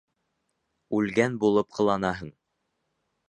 Үлгән булып ҡыланаһың.